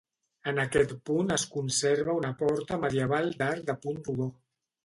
En aquest punt es conserva una porta medieval d'arc de punt rodó.